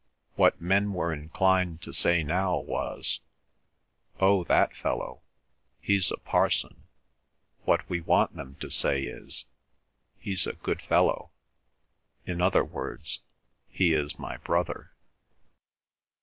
What men were inclined to say now was, "Oh, that fellow—he's a parson." What we want them to say is, "He's a good fellow"—in other words, "He is my brother."